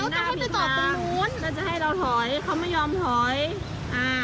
แล้วเขาจะจอดตรงนู้นแล้วจะให้เราถอยเขาไม่ยอมถอยอ่า